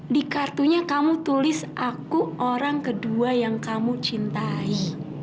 di kartunya kamu tulis aku orang kedua yang kamu cintai